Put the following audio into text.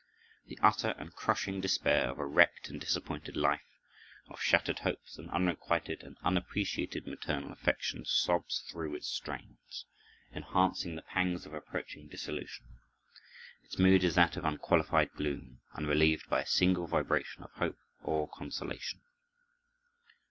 The utter and crushing despair of a wrecked and disappointed life, of shattered hopes and unrequited and unappreciated maternal affection, sobs through its strains, enhancing the pangs of approaching dissolution. Its mood is that of unqualified gloom, unrelieved by a single vibration of hope or consolation.